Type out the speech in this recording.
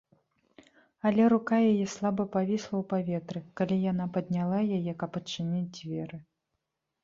Але рука яе слаба павісла ў паветры, калі яна падняла яе, каб адчыніць дзверы.